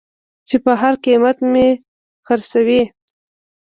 چې په هر قېمت مې خرڅوې.